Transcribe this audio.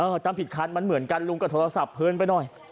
ทำผิดคันมันเหมือนกันลุงก็โทรศัพท์เพลินไปหน่อย